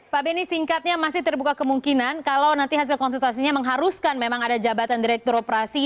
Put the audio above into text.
pak benny singkatnya masih terbuka kemungkinan kalau nanti hasil konsultasinya mengharuskan memang ada jabatan direktur operasi